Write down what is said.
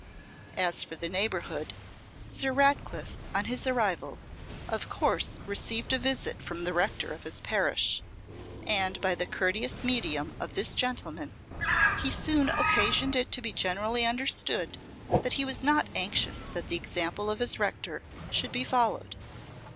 As for neighbourhood, Sir Ratcliffe, on his arrival, of course received a visit from the rector of his parish, and, by the courteous medium of this gentleman, he soon occasioned it to be generally understood that he was not anxious that the example of his rector should be followed.